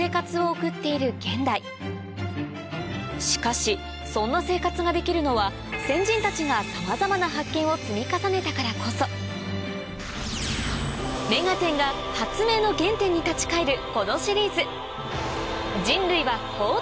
送っている現代しかしそんな生活ができるのは先人たちがさまざまな発見を積み重ねたからこそ『目がテン！』が発明の原点に立ち返るこのシリーズ